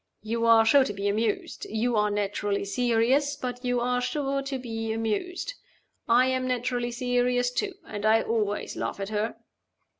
You are sure to be amused you are naturally serious but you are sure to be amused. I am naturally serious too; and I always laugh at her."